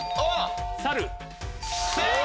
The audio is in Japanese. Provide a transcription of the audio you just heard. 正解！